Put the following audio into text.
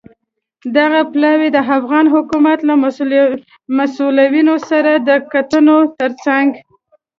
دغه پلاوی د افغان حکومت له مسوولینو سره د کتنو ترڅنګ